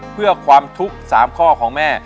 เพื่อความทุกข์๓ข้อของแม่